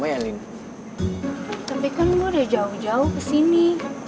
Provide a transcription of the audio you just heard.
tapi kan lo udah jauh jauh kesini